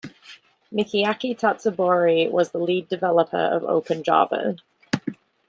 Michiaki Tatsubori was the lead developer of OpenJava.